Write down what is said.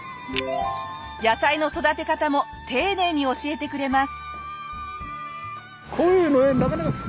野菜の育て方も丁寧に教えてくれます。